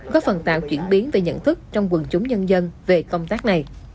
có phần tạo chuyển biến về nhận thức trong quần chúng nhân dân về công tác này